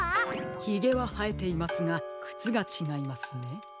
ひげははえていますがくつがちがいますね。